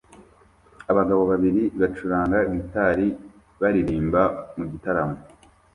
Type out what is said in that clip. Abagabo babiri bacuranga gitari baririmba mu gitaramo